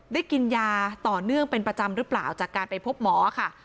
กินยาต่อเนื่องเป็นประจำหรือเปล่าจากการไปพบหมอค่ะ